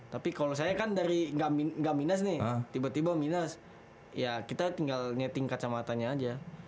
tapi kalau saya kan dari gak minus nih tiba tiba minus ya kita tinggal nyeting kacamatanya aja